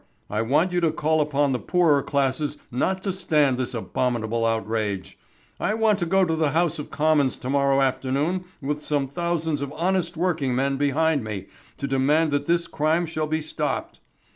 I want you to call upon the poorer classes not to stand this abominable outrage. I want to go down to the House of Commons to morrow afternoon with some thousands of honest working men behind me to demand that this crime shall be stopped.